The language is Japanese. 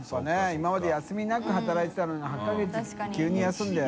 今まで休みなく働いてたのが犬急に休んで。